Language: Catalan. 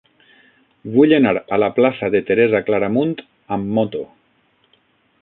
Vull anar a la plaça de Teresa Claramunt amb moto.